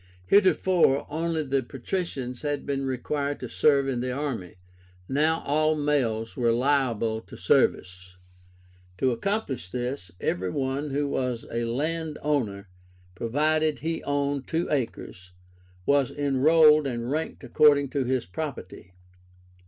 Heretofore only the patricians had been required to serve in the army. Now all males were liable to service. To accomplish this, every one who was a land owner, provided he owned two acres, was enrolled and ranked according to his property.